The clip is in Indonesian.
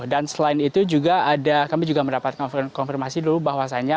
dan selain itu juga ada kami juga mendapatkan konfirmasi dulu bahwasanya